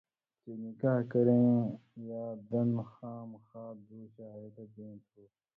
چے نِکاح کرَیں یاں دَن خامخا دُو شاہِدہ بیں تھو۔